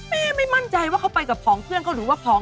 แม่ไม่มั่นใจว่าเขาไปกับของเพื่อนเขาหรือว่าผอง